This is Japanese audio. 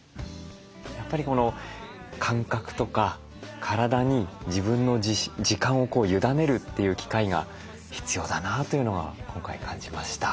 やっぱりこの感覚とか体に自分の時間を委ねるという機会が必要だなというのは今回感じました。